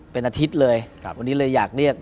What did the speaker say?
เป็นอาทิตย์เลยวันนี้เลยอยากเรียก